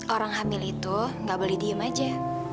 orang hamil itu nggak boleh diem aja